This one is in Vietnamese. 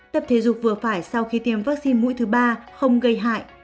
tập thể dục vừa phải sau khi tiêm vaccine mũi thứ ba không gây hại